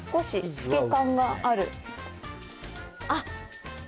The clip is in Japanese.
少し透け感がある。